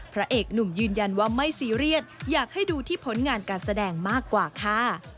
พระเอกหนุ่มยืนยันว่าไม่ซีเรียสอยากให้ดูที่ผลงานการแสดงมากกว่าค่ะ